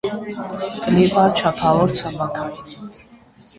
Կլիման չափավոր ցամաքային։